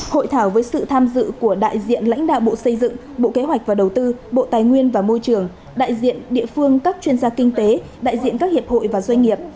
hội thảo với sự tham dự của đại diện lãnh đạo bộ xây dựng bộ kế hoạch và đầu tư bộ tài nguyên và môi trường đại diện địa phương các chuyên gia kinh tế đại diện các hiệp hội và doanh nghiệp